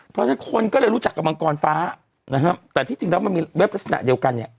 เพราะฉะนั้นคนก็เลยรู้จักกับมังกรฟ้านะฮะแต่ที่จริงแล้วมันมีเว็บลักษณะเดียวกันเนี่ย